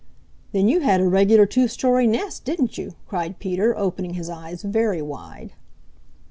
"Then you had a regular two story nest, didn't you?" cried Peter, opening his eyes very wide.